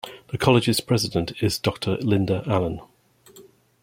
The college's president is Dr.Linda Allen.